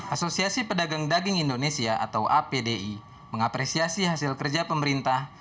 asosiasi pedagang daging indonesia atau apdi mengapresiasi hasil kerja pemerintah